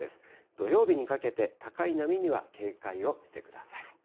土曜日にかけて、高い波には警戒をしてください。